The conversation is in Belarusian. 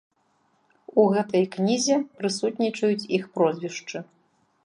У гэтай кнізе прысутнічаюць іх прозвішчы.